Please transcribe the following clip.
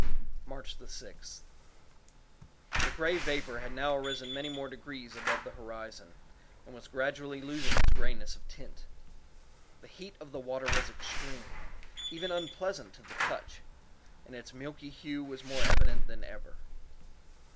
March 6th. The gray vapor had now arisen many more degrees above the horizon, and was gradually losing its grayness of tint. The heat of the water was extreme, even unpleasant to the touch, and its milky hue was more evident than ever.